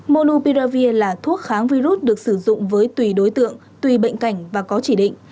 monoprilavir là thuốc kháng virus được sử dụng với tùy đối tượng tùy bệnh cảnh và có chỉ định